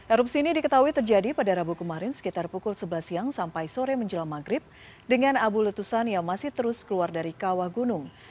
erupsi ini diketahui terjadi pada rabu kemarin sekitar pukul sebelas siang sampai sore menjelang maghrib dengan abu letusan yang masih terus keluar dari kawah gunung